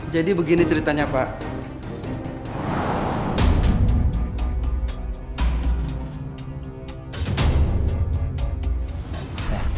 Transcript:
jadi begini ceritanya pak